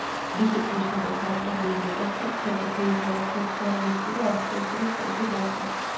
მიწისძვრის შემდეგ დაწყებული რეკონსტრუქცია კი ძირითადად სოციალისტური არქიტექტურის სტილში მოხდა.